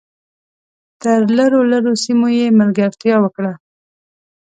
تر لرو لرو سیمو یې ملګرتیا وکړه .